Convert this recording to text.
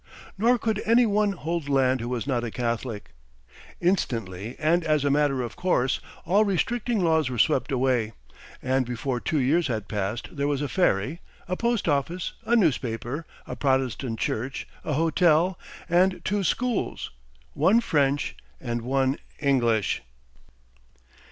Nor could any one hold land who was not a Catholic. Instantly, and as a matter of course, all restricting laws were swept away; and before two years had passed there was a ferry, a post office, a newspaper, a Protestant church, a hotel, and two schools, one French and one English.